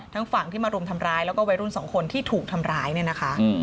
ฝั่งที่มารุมทำร้ายแล้วก็วัยรุ่นสองคนที่ถูกทำร้ายเนี่ยนะคะ